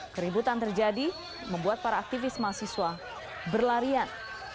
keributan terjadi membuat para aktivis mahasiswa berlarian